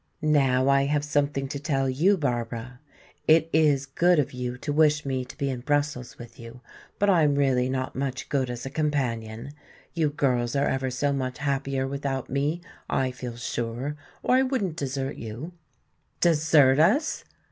"Now I have something to tell you, Barbara. It is good of you to wish me to be in Brussels with you, but I'm really not much good as a companion. You girls are ever so much happier without me, I feel sure, or I wouldn't desert you." "Desert us?"